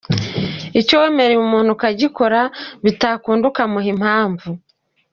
Icyo wemereye umuntu ukagikora bitakunda ukamuha impamvu.